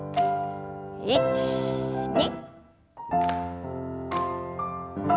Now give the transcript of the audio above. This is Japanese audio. １２。